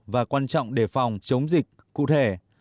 và quan trọng để phòng chống dịch cụ thể